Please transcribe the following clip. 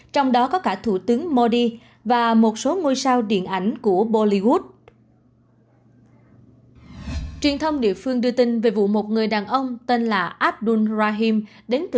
trong đó có cả thủ tướng modi và một số ngôi sao điện ảnh của boligot